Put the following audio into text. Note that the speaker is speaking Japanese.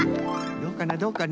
どうかなどうかな？